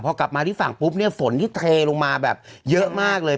พอกลับมาที่ฝั่งปุ๊บเนี่ยฝนที่เทลงมาแบบเยอะมากเลย